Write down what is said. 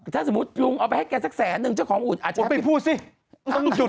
ถ้าสมมุติลุงเอาไปให้แกสักแสนนึงเจ้าของอุ่นอาจจะไม่พูดสิต้องหยุด